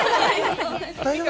大丈夫？